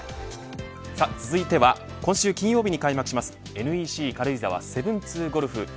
続いては今週、金曜日に開幕しますＮＥＣ軽井沢７２ゴルフ。